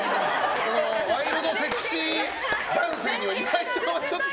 ワイルドセクシー男性は岩井さんにはちょっと。